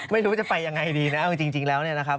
ไม่รู้จะไปยังไงดีนะเอาจริงแล้วเนี่ยนะครับ